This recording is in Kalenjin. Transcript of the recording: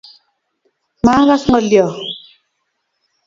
Maagas ngolyoo